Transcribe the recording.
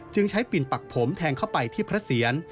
ใช้ปิ่นปักผมแทงเข้าไปที่พระเสียร